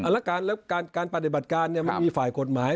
แล้วการปฏิบัติการมันมีฝ่ายกฎหมาย